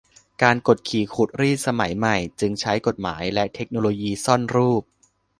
การกดขี่ขูดรีดสมัยใหม่จึงใช้กฎหมายและเทคโนโลยีซ่อนรูป